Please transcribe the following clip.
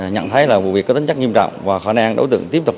nhận thấy là vụ việc có tính chất nghiêm trọng và khả năng đối tượng tiếp tục